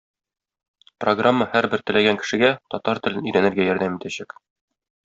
Программа һәрбер теләгән кешегә татар телен өйрәнергә ярдәм итәчәк.